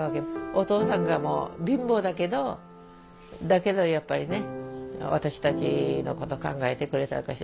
お父さんが貧乏だけどだけどやっぱりね私たちのこと考えてくれたのかもしらん。